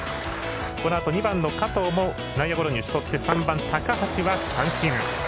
このあと２番の加藤も内野ゴロに打ち取って３番高橋は三振。